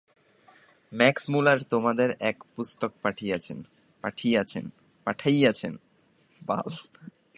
Max Müller তোমাদের এক পুস্তক পাঠাইয়াছেন।